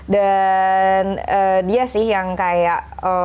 dan dia sih yang kayak